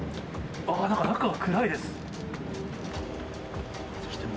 なんか、中は暗いです。